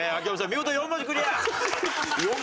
見事４文字クリア！